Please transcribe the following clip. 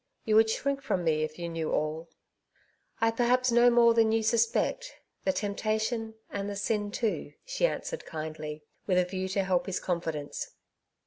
You would shrink from me if you knew all." ^^I perhaps know more than you suspect — the temptation and the sin, too," she answered kindly, with a view to help his confidence.